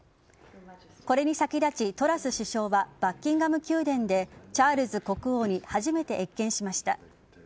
これに先立ちトラス首相はバッキンガム宮殿でチャールズ国王に初めて謁見しました。